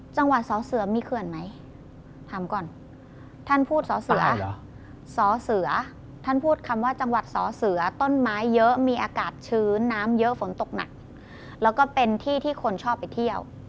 จังหวัดสอเสือมีเขื่อนไหมถามก่อนท่านพูดสอเสือสอเสือท่านพูดคำว่าจังหวัดสอเสือต้นไม้เยอะมีอากาศชื้นน้ำเยอะฝนตกหนักแล้วก็เป็นที่ที่คนชอบไปเที่ยว